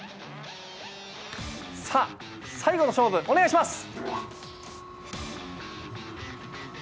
さあ、最後の勝負、お願いします。